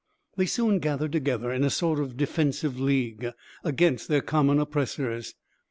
They soon gathered together, in a sort of defensive league, against their common oppressors.